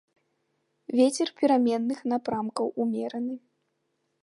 Вецер пераменных напрамкаў умераны.